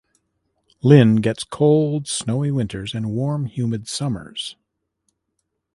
Lynn gets cold, snowy winters and warm, humid summers.